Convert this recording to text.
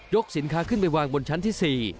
สินค้าขึ้นไปวางบนชั้นที่๔